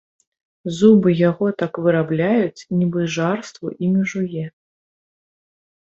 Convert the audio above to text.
Зубы яго так вырабляюць, нібы жарству імі жуе.